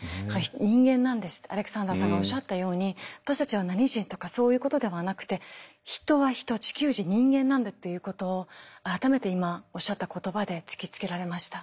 「人間なんです」ってアレクサンダーさんがおっしゃったように私たちは何人とかそういうことではなくて人は人地球人人間なんだっていうことを改めて今おっしゃった言葉で突きつけられました。